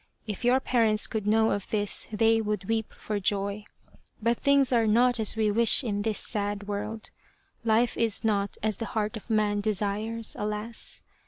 If your parents could know of this they would weep for joy. But things are not as we wish in this sad world, life is not as the heart of man desires, alas